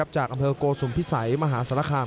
จากอำเภอโกสุมพิสัยมหาศาลคาม